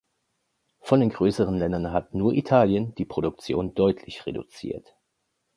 Von den größeren Ländern hat nur Italien die Produktion deutlich reduziert.